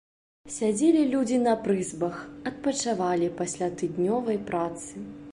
Сядзелі людзі на прызбах, адпачывалі пасля тыднёвай працы.